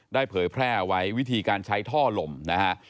เผยแพร่เอาไว้วิธีการใช้ท่อลมนะฮะ